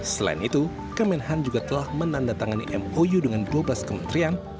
selain itu kemenhan juga telah menandatangani mou dengan dua belas kementerian